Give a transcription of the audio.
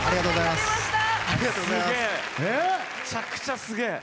めちゃくちゃすげぇ！